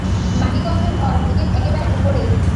বাণীকণ্ঠের ঘর নদীর একেবারে উপরেই।